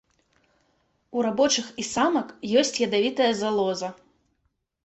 У рабочых і самак ёсць ядавітая залоза.